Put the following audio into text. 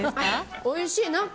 おいしい！